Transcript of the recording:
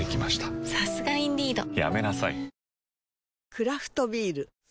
クラフトビール